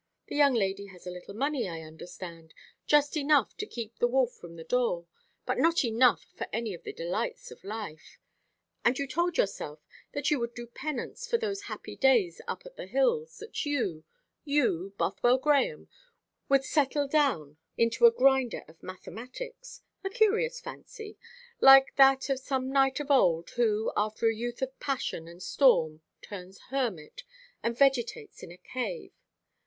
The young lady has a little money, I understand, just enough to keep the wolf from the door, but not enough for any of the delights of life. And you told yourself that you would do penance for those happy days up at the hills, that you you, Bothwell Grahame would would settle down into a grinder of mathematics. A curious fancy like that of some knight of old who, after a youth of passion and storm, turns hermit, and vegetates in a cave.